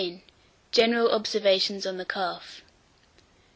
GENERAL OBSERVATIONS ON THE CALF.